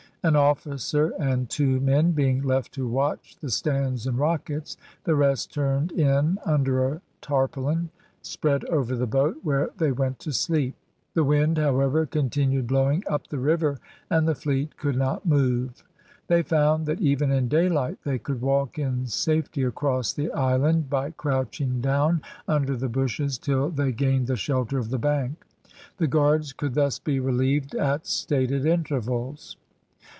An officer and two men being left to watch the stands and rockets, the rest turned in under a tarpaulin spread over the boat, where they went to sleep. The wind, however, continued blowing up the river, and the fleet could not move. They found that even in daylight they could walk in safety across the island, by crouching down under the bushes till they gained the shelter of the bank. The guards could thus be relieved at stated intervals.